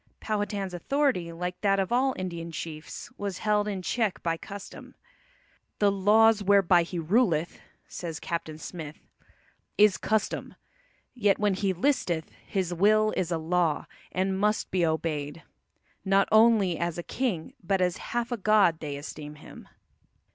Powhatan's authority, like that of all Indian chiefs, was held in check by custom. "The lawes whereby he ruleth," says Captain Smith, "is custome. Yet when he listeth, his will is a law, and must be obeyed: not only as a king, but as halfe a god they esteeme him."